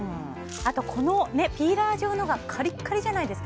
あと、ピーラー状のがカリッカリじゃないですか。